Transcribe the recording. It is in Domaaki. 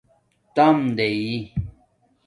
تَام دئئ